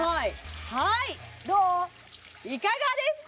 はいいかがですか？